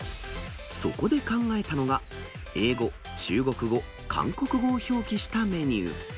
そこで考えたのが、英語、中国語、韓国語を表記したメニュー。